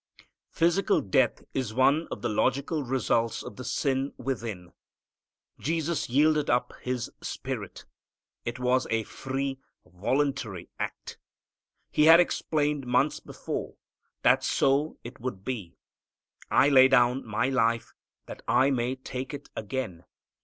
Physical death is one of the logical results of the sin within. Jesus yielded up His spirit. It was a free, voluntary act. He had explained months before that so it would be. "I lay down My life that I may take it again.